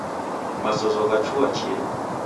Mazozo ghachua chienyi.